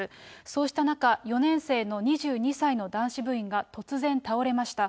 そうした中、４年生の２２歳の男子部員が突然倒れました。